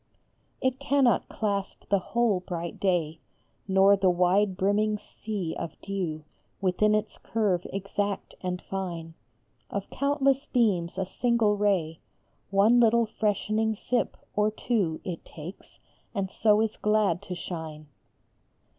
It cannot clasp the whole bright aay, Nor the wide brimming sea of dew Within its curve exact and fine. 128 ARISE, SHINE! Of countless beams a single ray, One little freshening sip or two, It takes, and so is glad to shine.